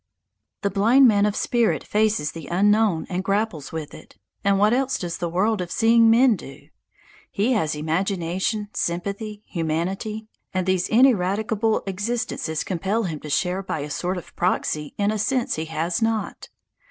The blind man of spirit faces the unknown and grapples with it, and what else does the world of seeing men do? He has imagination, sympathy, humanity, and these ineradicable existences compel him to share by a sort of proxy in a sense he has not.